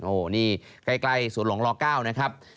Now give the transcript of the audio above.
โอ้นี่ใกล้สู่หลงร๙นะครับ